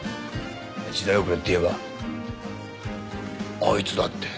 時代遅れっていえばあいつだって。